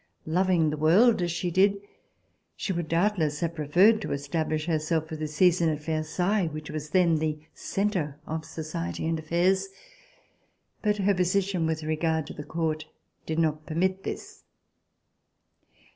Loving the world as she did, she would doubtless have preferred to establish herself for the season at Versailles, which was then the centre of society and affairs. But her position with regard to the Court did not permit this.